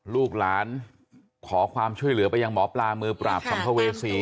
ลูกหลานขอความช่วยเหลือไปยังหมอปลามือปราบสัมภเวษี